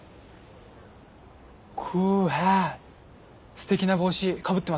すてきな帽子かぶってますね。